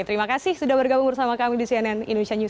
terima kasih sudah bergabung bersama kami di cnn indonesia newsro